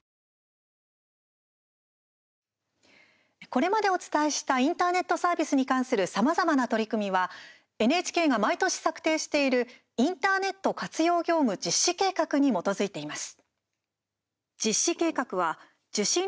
これまでお伝えしたインターネットサービスに関するさまざまな取り組みはＮＨＫが毎年策定しているインターネット活用業務実施計画に基づいています。